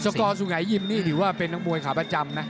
สกสุห์ไหยยิมนี่หรือว่าเป็นมวยขาประจำนะ